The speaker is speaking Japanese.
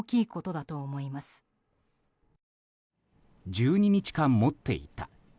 「１２日間持っていた」。